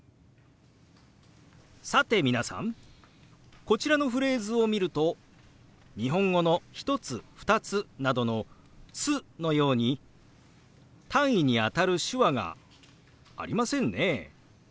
さて皆さんこちらのフレーズを見ると日本語の「１つ」「２つ」などの「つ」のように単位にあたる手話がありませんね。